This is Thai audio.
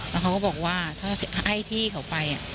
แล้วเขาก็บอกว่าถ้าให้ที่เขาไป